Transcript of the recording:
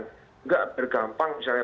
tidak bergampang misalnya